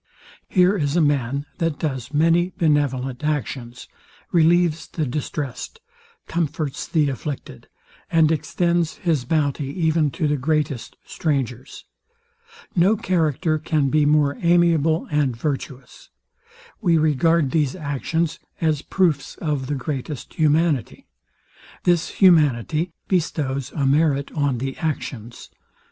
Here is a man, that does many benevolent actions; relieves the distressed, comforts the afflicted, and extends his bounty even to the greatest strangers. No character can be more amiable and virtuous. We regard these actions as proofs of the greatest humanity. This humanity bestows a merit on the actions.